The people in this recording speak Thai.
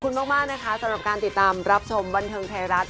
มากนะคะสำหรับการติดตามรับชมบันเทิงไทยรัฐ